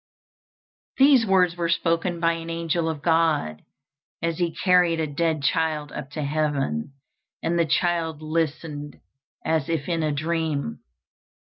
These words were spoken by an angel of God, as he carried a dead child up to heaven, and the child listened as if in a dream.